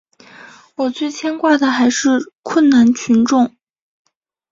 我最牵挂的还是困难群众。